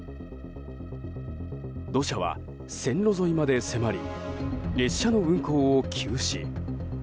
土砂は線路沿いまで迫り列車の運行を休止。